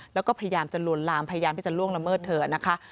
แล้วก็พยายามจะลวนลามพยายามที่จะล่วงละเมิดเธอนะคะ